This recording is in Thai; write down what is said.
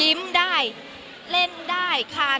มีใครปิดปาก